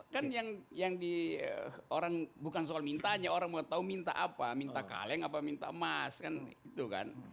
kan yang di orang bukan soal mintanya orang mau tahu minta apa minta kaleng apa minta emas kan itu kan